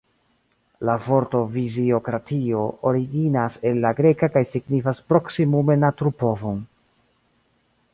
La vorto fiziokratio originas el la greka kaj signifas proksimume naturpovon.